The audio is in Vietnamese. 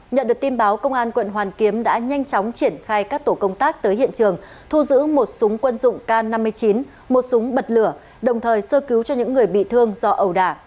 nhận được tin báo công an quận hoàn kiếm đã nhanh chóng triển khai các tổ công tác tới hiện trường thu giữ một súng quân dụng k năm mươi chín một súng bật lửa đồng thời sơ cứu cho những người bị thương do ẩu đả